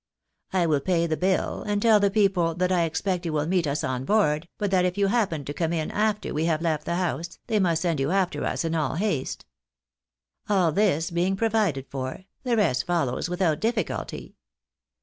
I will pay the bill, and tell the people that I expect you will meet us on board, but that if you happen to come in after we have left the house, they must send you after us in all haste. All this being provided for, the rest follows without difficulty.